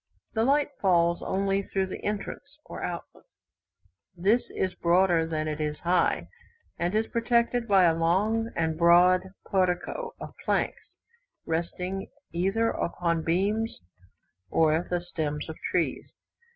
The light falls only through the entrance, or outlet. This is broader than it is high, and is protected by a long and broad portico of planks, resting either upon beams or the stems of trees.